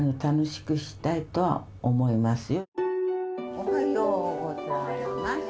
おはようございます。